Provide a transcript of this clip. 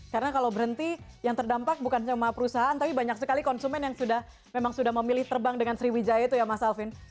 karena kalau berhenti yang terdampak bukan cuma perusahaan tapi banyak sekali konsumen yang sudah memilih terbang dengan sriwidaya itu ya mas alvin